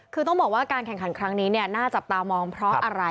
คือต้องบอกว่าการแข่งขันครั้งนี้เนี่ยน่าจับตามองเพราะอะไร